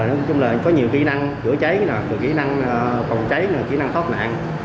nó có nhiều kỹ năng chữa cháy kỹ năng phòng cháy kỹ năng thoát nạn